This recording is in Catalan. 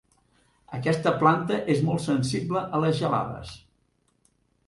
Aquesta planta és molt sensible a les gelades.